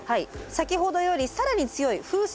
先ほどより更に強い風速